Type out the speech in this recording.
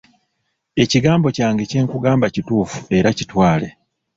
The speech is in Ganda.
Ekigambo kyange kye nkugamba kituufu era kitwale.